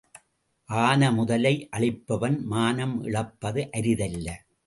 ஆன முதலை அழிப்பவன் மானம் இழப்பது அரிதல்ல.